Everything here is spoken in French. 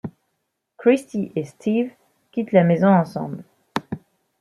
Kristy et Steve quittent la maison ensemble.